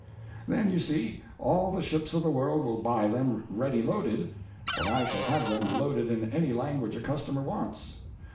Then you see, all the ships of the world will buy them ready loaded—for I shall have them loaded in any language a customer wants.